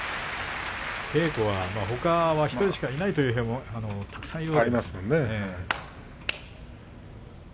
稽古は、ほかは１人しかいないという部屋もたくさんありますからね。